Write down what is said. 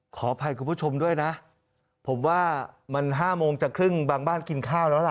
ขออภัยคุณผู้ชมด้วยนะผมว่ามัน๕โมงจะครึ่งบางบ้านกินข้าวแล้วล่ะ